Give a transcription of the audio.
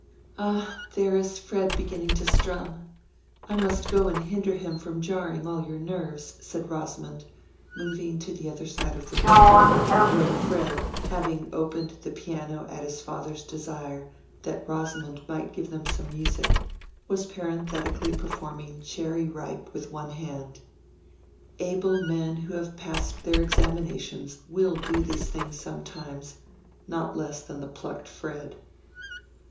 "Ah, there is Fred beginning to strum! I must go and hinder him from jarring all your nerves," said Rosamond, moving to the other side of the room, where Fred having opened the piano, at his father's desire, that Rosamond might give them some music, was parenthetically performing "Cherry Ripe!" with one hand. Able men who have passed their examinations will do these things sometimes, not less than the plucked Fred.